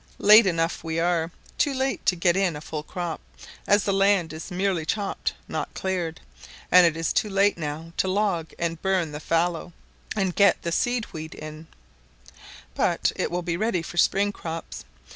Late enough we are; too late to get in a full crop, as the land is merely chopped, not cleared, and it is too late now to log and burn the fallow, and get the seed wheat in: but it will be ready for spring crops.